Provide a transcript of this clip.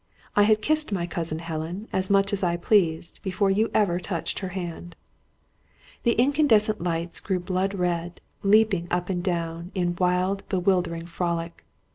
I had kissed my cousin Helen, as much as I pleased, before you had ever touched her hand." The incandescent lights grew blood red, leaping up and down, in wild, bewildering frolic.